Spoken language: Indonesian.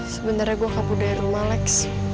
sebenernya gue kabur dari rumah lex